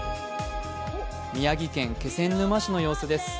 宮城県気仙沼市の様子です。